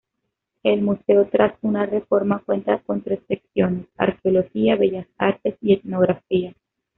El museo tras una reforma cuenta con "tres secciones": Arqueología, Bellas Artes y Etnografía.